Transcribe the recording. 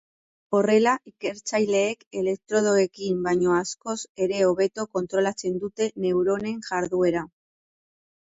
Horrela, ikertzaileek elektrodoekin baino askoz ere hobeto kontrolatzen dute neuronen jarduera.